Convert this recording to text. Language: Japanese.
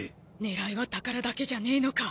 狙いは宝だけじゃねえのか？